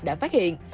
đã phát hiện